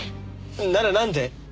ならなんで？